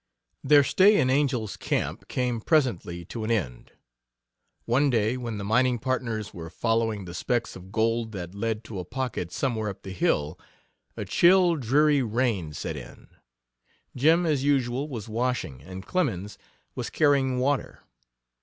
Their stay in Angel's Camp came presently to an end. One day, when the mining partners were following the specks of gold that led to a pocket somewhere up the hill, a chill, dreary rain set in. Jim, as usual was washing, and Clemens was carrying water.